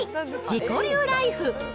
自己流ライフ。